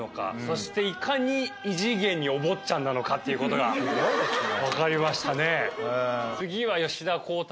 なのかっていうことが分かりましたね。